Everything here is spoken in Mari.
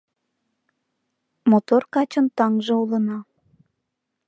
Мотор качын таҥже улына.